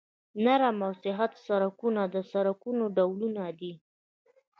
نرم او سخت سرکونه د سرکونو ډولونه دي